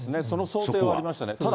その想定はありましたね。